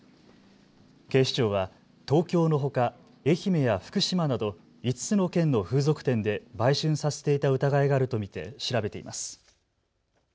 警視庁は東京のほか愛媛や福島など５つの県の風俗店で売春させていた疑いがあると見て調べています。